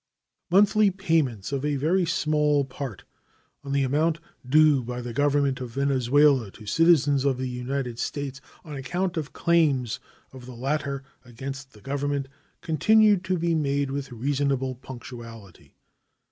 Monthly payments of a very small part of the amount due by the Government of Venezuela to citizens of the United States on account of claims of the latter against that Government continue to be made with reasonable punctuality.